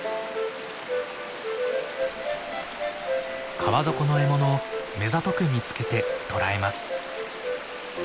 川底の獲物を目ざとく見つけて捕らえます。